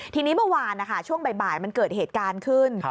ทีนี้เมื่อวานนะคะช่วงบ่ายมันเกิดเหตุการณ์ขึ้น